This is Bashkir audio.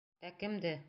Ә... кемде?